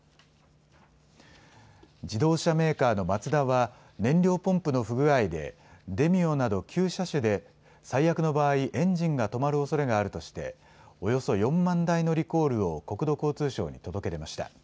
自動車メーカーのマツダは燃料ポンプの不具合でデミオなど９車種で最悪の場合、エンジンが止まるおそれがあるとしておよそ４万台のリコールを国土交通省に届け出ました。